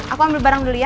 aku ambil barang dulu ya